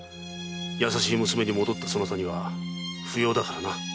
優しい娘に戻ったそなたには不要だからな。